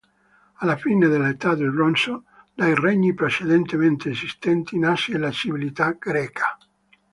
Alla fine dell'età del bronzo dai regni precedentemente esistenti nasce la civiltà greca.